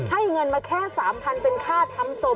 ให้เงินมาแค่๓๐๐๐บาทเป็นค่าทำศพ